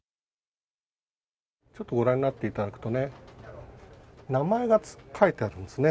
ちょっとご覧になっていただくとね、名前が書いてあるんですね。